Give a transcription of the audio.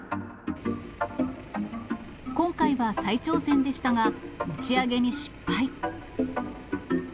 今回は再挑戦でしたが、打ち上げに失敗。